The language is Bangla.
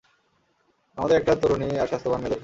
আমাদের একটা তরুণী আর স্বাস্থ্যবান মেয়ে দরকার।